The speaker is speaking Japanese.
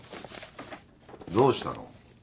どうしたの？